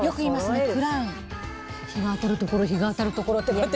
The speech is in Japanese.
日が当たるところ日が当たるところってこうやって。